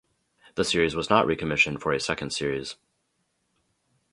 The series was not recommissioned for a second series.